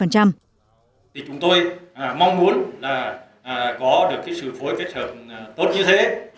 chúng tôi mong muốn có được sự phối kết hợp tốt như thế